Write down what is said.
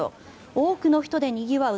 多くの人でにぎわう